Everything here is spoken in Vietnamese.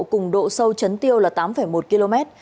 cùng độ sâu chấn tiêu là tám một km